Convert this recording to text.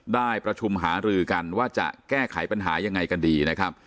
ได้ประชุมหารือกันว่าจะแก้ไขปัญหายังไงกันดีนะครับ